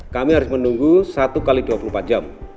kami harus menunggu satu x dua puluh empat jam